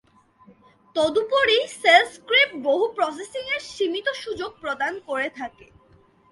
তদুপরি shell script বহু-প্রসেসিং এর সীমিত সুযোগ প্রদান করে থাকে।